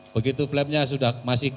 begitu flap nya sudah masih